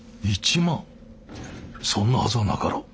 そんなはずはなかろう。